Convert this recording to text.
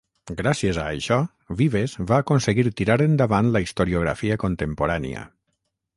Gràcies a això, Vives va aconseguir tirar endavant la historiografia contemporània.